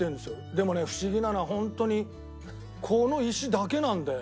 でもね不思議なのはホントにこの石だけなんだよね。